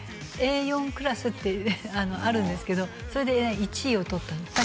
Ａ４クラスってあるんですけどそれで１位を取ったんです